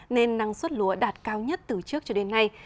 nên năng suất lúa đạt cao nhất từ trước cho đến nay